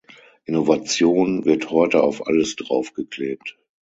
Innovation wird heute auf alles draufgeklebt.